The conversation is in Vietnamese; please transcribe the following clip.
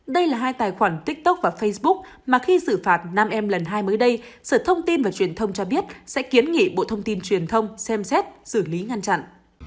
đây là hai tài khoản tiktok và facebook mà khi xử phạt nam em lần hai mới đây sở thông tin và truyền thông cho biết sẽ kiến nghị bộ thông tin truyền thông xem xét xử lý ngăn chặn